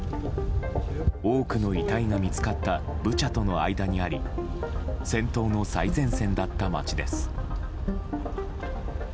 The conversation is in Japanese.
多くの遺体が見つかったブチャとの間にあり戦闘の最前線だった街です。